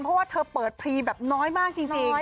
เพราะว่าเธอเปิดพรีแบบน้อยมากจริง